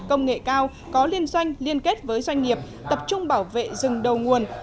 công nghệ cao có liên doanh liên kết với doanh nghiệp tập trung bảo vệ rừng đầu nguồn